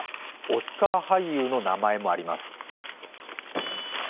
オスカー俳優の名前もあります。